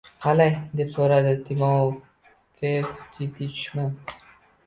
Qalay? – deb soʻradi Timofeev. – Jiddiy ishmi?